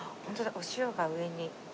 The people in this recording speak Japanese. お塩が上に。